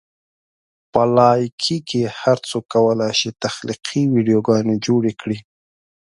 په لایکي کې هر څوک کولی شي تخلیقي ویډیوګانې جوړې کړي.